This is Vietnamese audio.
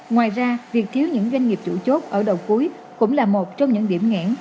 ngoài ra việc thiếu những doanh nghiệp chủ chốt ở đầu cuối cũng là một trong những điểm nghẽn